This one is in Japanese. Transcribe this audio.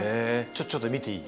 ちょっと見ていい？